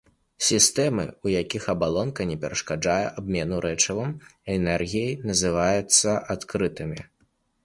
Сістэмы, у якіх абалонка не перашкаджае абмену рэчывам і энергіяй, называюцца адкрытымі.